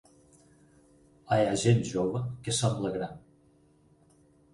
Hi ha gent jove que sembla gran.